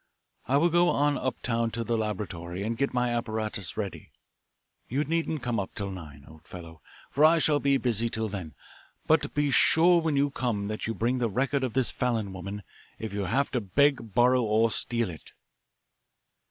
I will go on up town to the laboratory and get my apparatus ready. You needn't come up till nine, old fellow, for I shall be busy till then, but be sure when you come that you bring the record of this Fallon woman if you have to beg, borrow, or steal it."